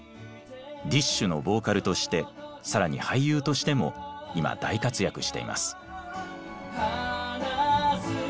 ＤＩＳＨ／／のボーカルとして更に俳優としても今大活躍しています。